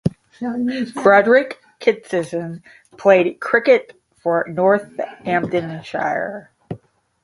Frederick Kitson played cricket for Northamptonshire.